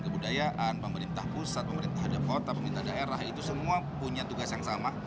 kebudayaan pemerintah pusat pemerintah ada kota pemerintah daerah itu semua punya tugas yang sama